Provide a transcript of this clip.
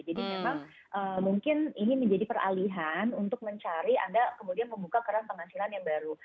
jadi memang mungkin ini menjadi peralihan untuk mencari anda kemudian membuka keran penghasilan yang baru